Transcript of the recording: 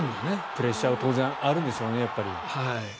プレッシャーは当然あるんでしょうね。